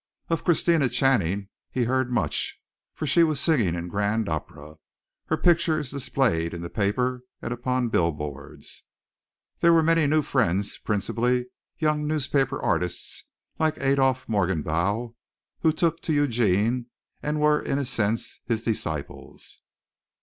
Of Christina Channing he heard much, for she was singing in Grand Opera, her pictures displayed in the paper and upon the billboards. There were many new friends, principally young newspaper artists like Adolph Morgenbau, who took to Eugene and were in a sense his disciples.